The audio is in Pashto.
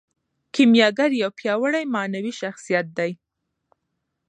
کیمیاګر یو پیاوړی معنوي شخصیت دی.